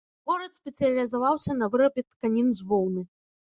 Горад спецыялізаваўся на вырабе тканін з воўны.